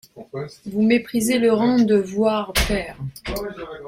Vous méprisez le rang de voire père !